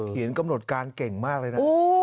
กำหนดการเก่งมากเลยนะ